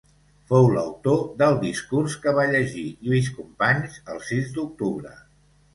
Fou l'autor del discurs que va llegir Lluís Companys el sis d'octubre.